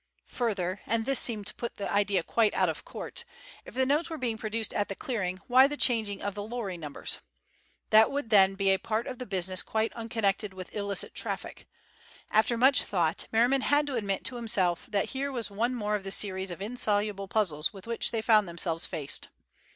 Further, and this seemed to put the idea quite out of court, if the notes were being produced at the clearing, why the changing of the lorry numbers? That would then be a part of the business quite unconnected with the illicit traffic. After much thought, Merriman had to admit to himself that here was one more of the series of insoluble puzzles with which they found themselves faced.